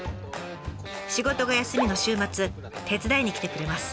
仕事が休みの週末手伝いに来てくれます。